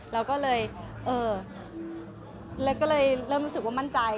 เราก็เลยเออเล็กก็เลยเริ่มรู้สึกว่ามั่นใจ